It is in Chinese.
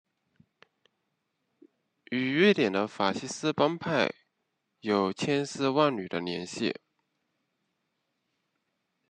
与瑞典的法西斯帮派有千丝万缕的联系。